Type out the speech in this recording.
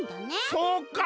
そうか。